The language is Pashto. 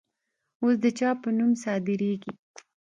اوس د چا په نوم صادریږي؟